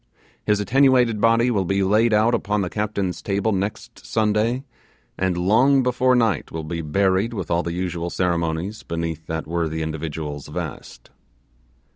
His attenuated body will be laid out upon the captain's table next Sunday, and long before night will be buried with all the usual ceremonies beneath that worthy individual's vest.